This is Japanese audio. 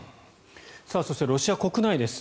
そしてロシア国内です。